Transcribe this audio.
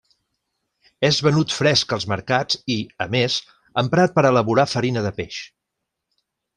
És venut fresc als mercats i, a més, emprat per a elaborar farina de peix.